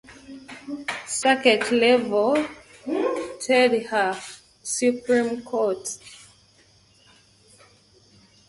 Circuit level before it went to the Supreme Court.